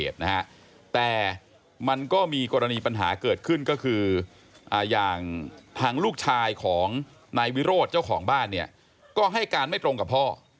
ทางลูกชายของนายวิโรธเจ้าของบ้านเนี่ยก็ให้การไม่ตรงกับพ่อ